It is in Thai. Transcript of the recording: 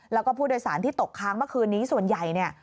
แล้วก็ผู้โดยสารที่ตกค้างเมื่อคืนนี้ส่วนใหญ่เนี่ย